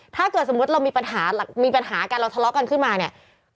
ถ้าเกิดสมมุติเรามีปัญหามีปัญหากันเราทะเลาะกันขึ้นมาเนี่ย